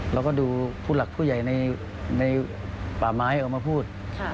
เราก็ดูผู้หลักผู้ใหญ่ในป่าไม้ออกมาพูด